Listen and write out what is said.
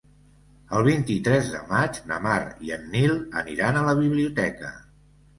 El vint-i-tres de maig na Mar i en Nil aniran a la biblioteca.